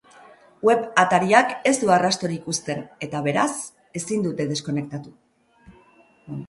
Web atariak ez du arrastorik uzten eta, beraz, ezin dute deskonektatu.